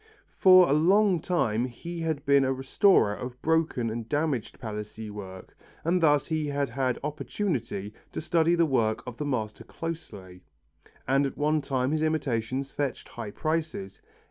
For a long time he had been a restorer of broken and damaged Palissy work and thus he had had opportunity to study the work of the master closely, and at one time his imitations fetched high prices.